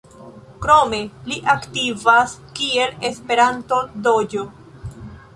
Krome li aktivas kiel Esperanto-DĴ.